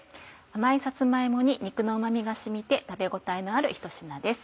甘いさつま芋に肉のうま味が染みて食べ応えのあるひと品です。